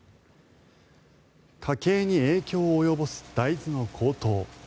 家計に影響を及ぼす大豆の高騰。